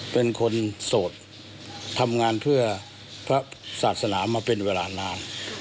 เป็นคนโสดทำงานเพื่อพระศาสนามาเป็นเวลานาน